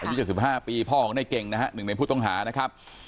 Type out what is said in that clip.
อายุ๗๕ปีพ่อของในเก่งนะฮะหนึ่งในผู้ต้องหานะครับ